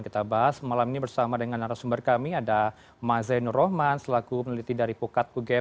kita bahas malam ini bersama dengan narasumber kami ada mazainur rohman selaku peneliti dari pukat ugm